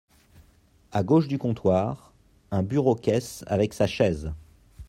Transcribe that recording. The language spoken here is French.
A gauche du comptoir, un bureau-caisse avec sa chaise.